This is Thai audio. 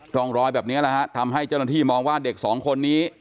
กองรอยแบบนี้นะครับทำให้เจ้าหน้าที่มองว่าเด็ก๒คนนี้